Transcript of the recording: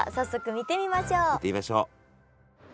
見てみましょう。